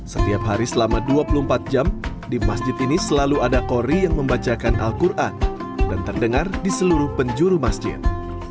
setiap hari selama dua puluh empat jam di masjid ini selalu ada kori yang membacakan al quran dan terdengar di seluruh penjuru masjid